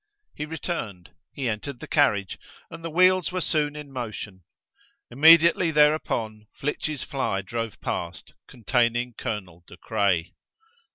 He returned; he entered the carriage, and the wheels were soon in motion. Immediately thereupon, Flitch's fly drove past, containing Colonel De Craye.